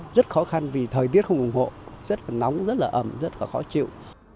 rất khó khăn vì thời tiết không ủng hộ rất là nóng rất là ẩm rất là khó chịu